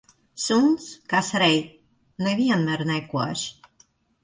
Suns, kas rej, ne vienmēr nekož.